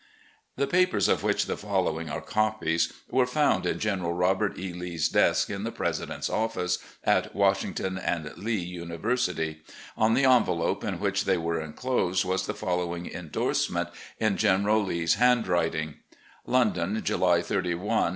The papers of which the following are copies were found in (jeneral Robert E. Lee's desk in the President's Office at Washington and Lee University. On the LEE'S OPINION UPON THE LATE WAR 227 envelope in which they were inclosed was the following indorsement in General Lee's handwriting; "London, July 31, 1866.